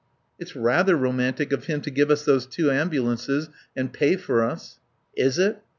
"It's rather romantic of him to give us those two ambulances, and pay for us." "Is it?